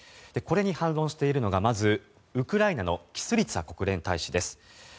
これに反論しているのがまず、ウクライナのキスリツァ国連大使です。